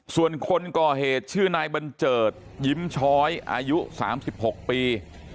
ส่วนคนก่อเหตุชื่อนายบัญเจิดยิ้มช้อยอายุ๓๖ปี